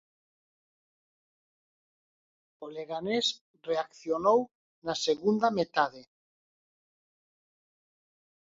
O Leganés reaccionou na segunda metade.